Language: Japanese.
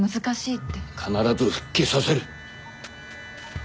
必ず復帰させる。